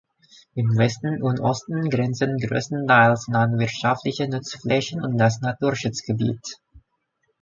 Im Westen und Osten grenzen größtenteils landwirtschaftliche Nutzflächen an das Naturschutzgebiet.